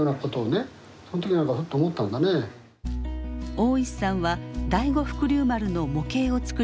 大石さんは第五福竜丸の模型を作り始めます。